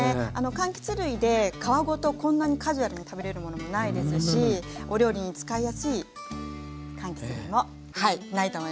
あのかんきつ類で皮ごとこんなにカジュアルに食べれるものもないですしお料理に使いやすいかんきつ類もはい。